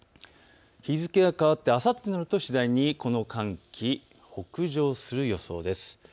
日付変わってあさってになると次第にこの寒気、北上する予想です。